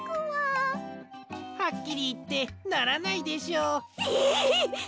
はっきりいってならないでしょう。え！？